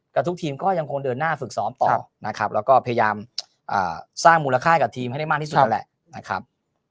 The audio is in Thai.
ทุกทีมก็ยังคงเดินหน้าฝึกซ้อมต่อนะครับแล้วก็พยายามสร้างมูลค่าให้กับทีมให้ได้มากที่สุดนั่นแหละนะครับ